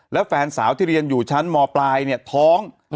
แล้วแฟนสาวที่เรียนอยู่ชั้นมปลายเนี่ยท้อง